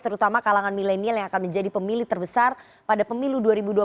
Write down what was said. terutama kalangan milenial yang akan menjadi pemilih terbesar pada pemilu dua ribu dua puluh